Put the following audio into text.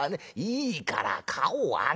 いいから顔上げろ」。